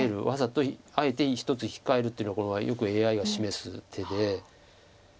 わざとあえて１つ控えるというのはこれはよくＡＩが示す手で。